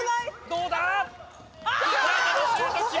どうだ？